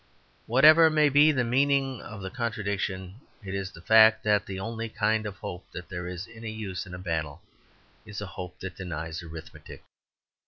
Whatever may be the meaning of the contradiction, it is the fact that the only kind of hope that is of any use in a battle is a hope that denies arithmetic.